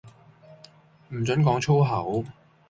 唔准講粗口